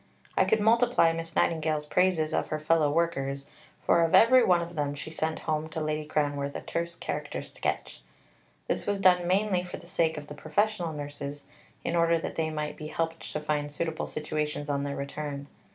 I could multiply Miss Nightingale's praises of her fellow workers, for of every one of them she sent home to Lady Cranworth a terse character sketch. This was done mainly for the sake of the professional nurses, in order that they might be helped to find suitable situations on their return.